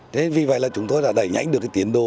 nên vì vậy là chúng tôi đã đẩy nhanh được tiến đồ